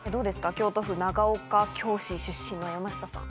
京都府長岡京市出身の山下さん。